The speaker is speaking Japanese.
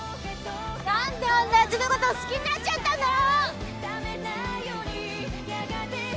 「何であんなやつのこと好きになっちゃったんだろ！」